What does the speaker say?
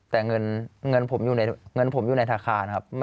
แต่เงินผมอยู่ในฐาคานะครับ